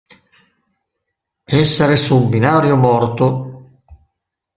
Essere su un binario morto.